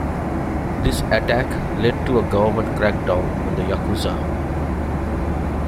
This attack led to a government crackdown on the yakuza.